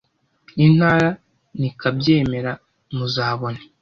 Intara ni kabyemera muzabone